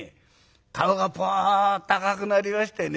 顔がポッと赤くなりましてね